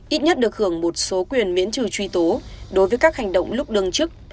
ít nhất được hưởng một số quyền miễn trừ truy tố đối với các hành động lúc đương chức